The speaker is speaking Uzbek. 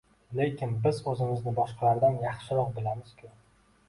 Lekin biz oʻzimizni boshqalardan yaxshiroq bilamiz-ku